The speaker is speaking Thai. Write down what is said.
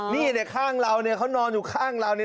นี่ข้างเราเนี่ยเขานอนอยู่ข้างเราเนี่ย